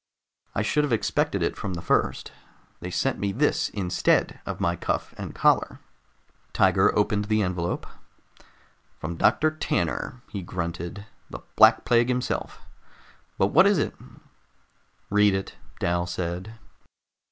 "I should have expected it from the first. They sent me this instead of my cuff and collar." Tiger opened the envelope. "From Doctor Tanner," he grunted. "The Black Plague himself. But what is it?" "Read it," Dal said.